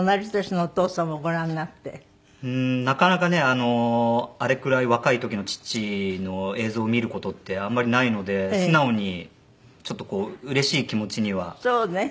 うーんなかなかねあのあれくらい若い時の父の映像を見る事ってあんまりないので素直にちょっとこううれしい気持ちにはなりましたね。